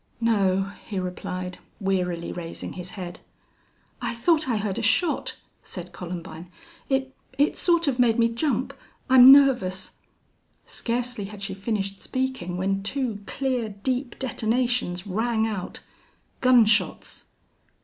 "No," he replied, wearily raising his head. "I thought I heard a shot," said Columbine. "It it sort of made me jump. I'm nervous." Scarcely had she finished speaking when two clear, deep detonations rang out. Gun shots!